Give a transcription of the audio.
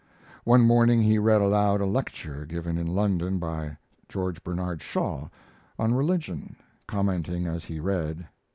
One morning he read aloud a lecture given in London by George Bernard Shaw on religion, commenting as he read.